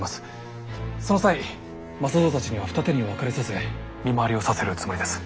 その際政蔵たちには二手に分かれさせ見回りをさせるつもりです。